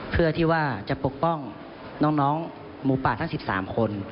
เพื่อที่ว่าจะปกป้องน้องหมูป่าทั้ง๑๓คน